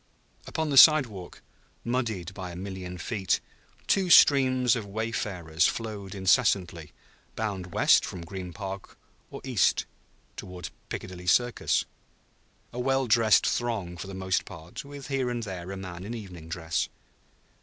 Upon the sidewalk, muddied by a million feet, two streams of wayfarers flowed incessantly, bound west from Green Park or east toward Piccadilly Circus; a well dressed throng for the most part, with here and there a man in evening dress.